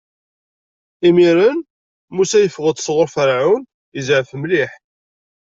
Imiren, Musa yeffeɣ-d sɣur Ferɛun, izɛef mliḥ.